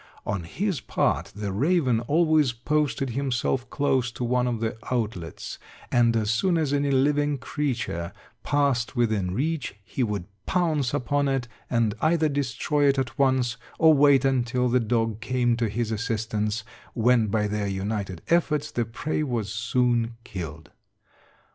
On his part the raven always posted himself close to one of the outlets, and as soon as any living creature passed within reach, he would pounce upon it, and either destroy it at once or wait until the dog came to his assistance, when by their united efforts the prey was soon killed.